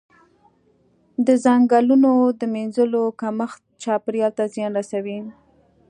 د ځنګلونو د مینځلو کمښت چاپیریال ته زیان رسوي.